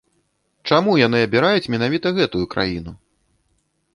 Чаму яны абіраюць менавіта гэтую краіну?